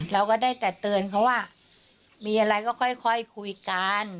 เราก็ได้แต่เตือนเขาว่ามีอะไรก็ค่อยคุยกัน